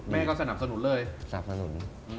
แม่ก็สนับสนุนเลยสนับสนุน